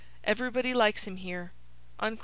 Everybody likes him here.'